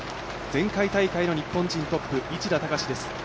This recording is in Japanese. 前回大会の日本人トップ、市田孝です。